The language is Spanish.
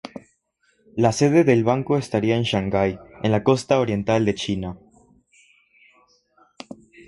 La sede del banco estaría en Shanghái, en la costa oriental de China.